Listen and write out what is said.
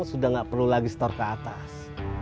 sudah nggak perlu lagi setor ke atas